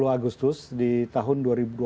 sepuluh agustus di tahun dua ribu dua puluh